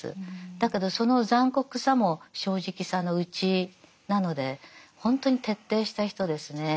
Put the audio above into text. だけどその残酷さも正直さのうちなのでほんとに徹底した人ですね。